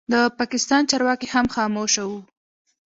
د پاکستان چارواکي هم خاموشه وو.